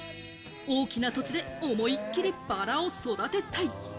大きな土地で思いっきりバラを育てたい。